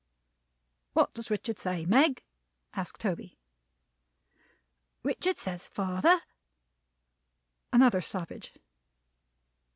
"What does Richard say, Meg?" asked Toby. "Richard says, father " Another stoppage.